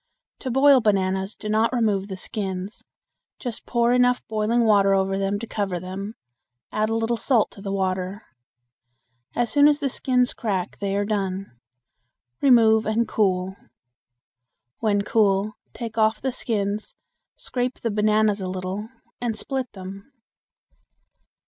To boil bananas do not remove the skins. Just pour enough boiling water over them to cover them. Add a little salt to the water. As soon as the skins crack they are done. Remove and cool. When cool, take off the skins, scrape the bananas a little and split them.